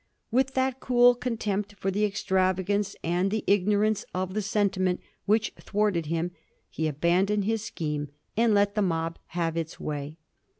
With that cool contempt for the extravagance and the ignorance of the senti ment which thwarted him, he abandoned his scheme and let the mob have its way.